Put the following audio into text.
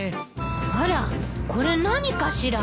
あらこれ何かしら？